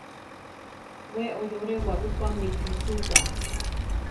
We oyore Guarupa mitisiwa.